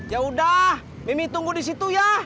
ya udah mimi tunggu di situ ya